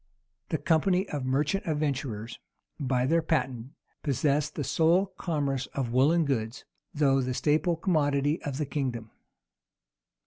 The company of merchant adventurers, by their patent, possessed the sole commerce of woollen goods, though the staple commodity of the kingdom.